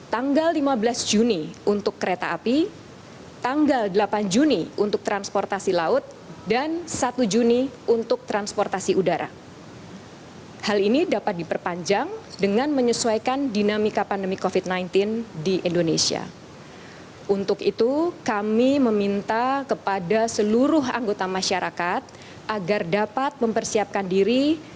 tanggal lima belas juni untuk kereta api tanggal delapan juni untuk transportasi laut dan satu juni untuk transportasi air